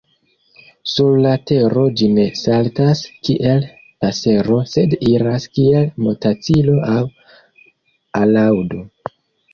Sur la tero ĝi ne saltas kiel pasero sed iras kiel motacilo aŭ alaŭdo.